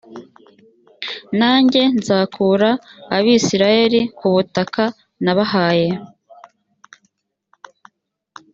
nanjye nzakura abisirayeli ku butaka nabahaye